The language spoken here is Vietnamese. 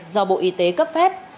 do bộ y tế cấp phép